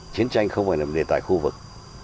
chiến tranh không phải là một đề tài khu vực